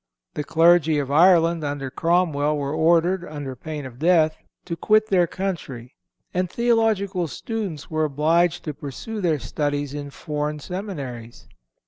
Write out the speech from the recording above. The clergy of Ireland, under Cromwell, were ordered, under pain of death, to quit their country, and theological students were obliged to pursue their studies in foreign seminaries.